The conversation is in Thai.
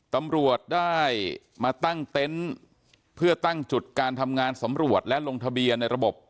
ตำรวจได้มาตั้งเต็นต์เพื่อตั้งจุดการทำงานสำรวจและลงทะเบียนในระบบ